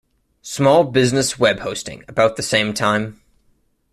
Small Business web hosting about the same time.